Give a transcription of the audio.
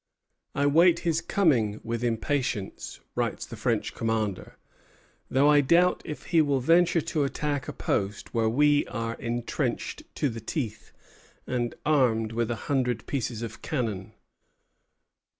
"I wait his coming with impatience," writes the French commander, "though I doubt if he will venture to attack a post where we are intrenched to the teeth, and armed with a hundred pieces of cannon."